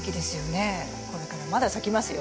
これからまだ咲きますよ。